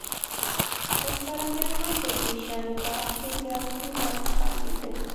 ورسره بیا هم د اتریشیانو په اړخ کې زیات غرونه پاتېدل.